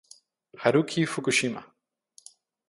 Haruki Fukushima